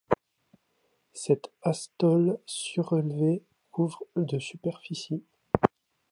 Cet atoll surélevé couvre de superficie.